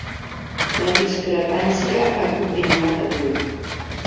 La discrepància ha continuat avui.